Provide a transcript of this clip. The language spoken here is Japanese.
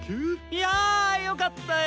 いやよかったヨ。